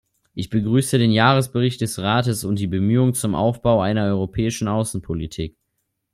Ich begrüße den Jahresbericht des Rates und die Bemühungen zum Aufbau einer europäischen Außenpolitik.